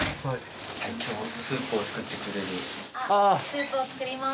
スープを作ってくれる。